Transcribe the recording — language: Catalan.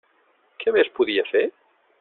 Què més podia fer?